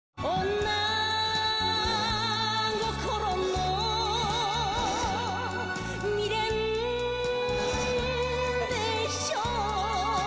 女心の未練でしょう